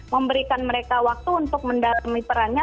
memberikan mereka waktu untuk mendalami perannya